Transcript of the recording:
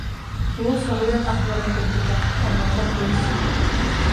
Уол соһуйан ах баран турбута, онуоха кыыс: